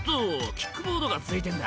「キックボードが付いてんだ